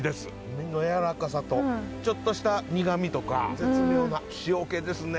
身のやわらかさとちょっとした苦みとか絶妙な塩気ですね。